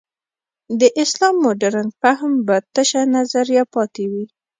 د اسلام مډرن فهم به تشه نظریه پاتې وي.